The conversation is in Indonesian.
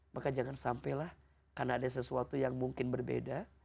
maka jangan sampailah karena ada sesuatu yang mungkin berbeda